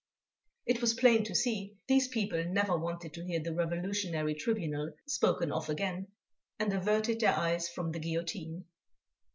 It was plain to see, these people never wanted to hear the Revolutionary Tribunal spoken of again and averted their eyes from the guillotine.